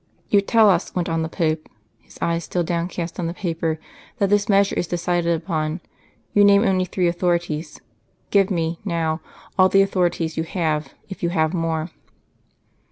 '" "You tell us," went on the Pope, His eyes still downcast on the paper, "that this measure is decided upon; you name only three authorities. Give me, now, all the authorities you have, if you have more."